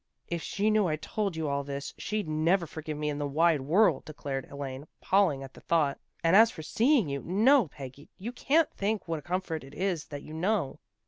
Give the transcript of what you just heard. " If she knew I'd told you all this, she'd never forgive me in the wide world," declared Elaine paling at the thought. " And as for seeing you! No, Peggy! But you can't think what a comfort it is that you know."